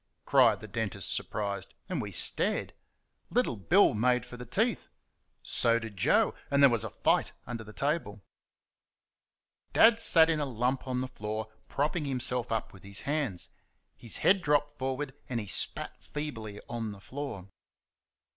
cried the dentist, surprised, and we stared. Little Bill made for the teeth; so did Joe, and there was a fight under the table. Dad sat in a lump on the floor propping himself up with his hands; his head dropped forward, and he spat feebly on the floor.